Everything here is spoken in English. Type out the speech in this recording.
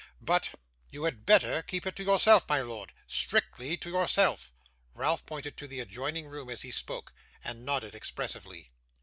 But you had better keep it to yourself, my lord; strictly to yourself.' Ralph pointed to the adjoining room as he spoke, and nodded expressively.